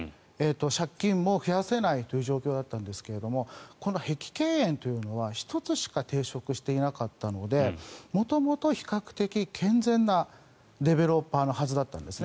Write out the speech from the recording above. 借金も増やせないという状況だったんですがこの碧桂園というのは１つしか抵触していなかったので元々、比較的健全なディベロッパーのはずだったんです。